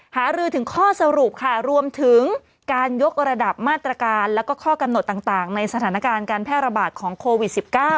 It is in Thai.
หารือถึงข้อสรุปค่ะรวมถึงการยกระดับมาตรการแล้วก็ข้อกำหนดต่างในสถานการณ์การแพร่ระบาดของโควิด๑๙